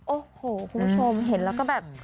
โอ้โหคุณผู้ชมเห็นแล้วก็แบบ